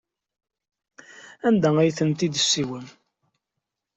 Anda ay tent-id-tessewwem?